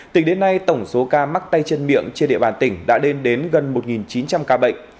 tính đến nay tổng số ca mắc tay chân miệng trên địa bàn tỉnh đã lên đến gần một chín trăm linh ca bệnh